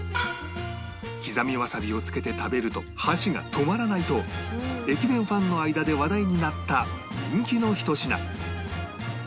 刻みわさびをつけて食べると箸が止まらないと駅弁ファンの間で話題になった人気の一品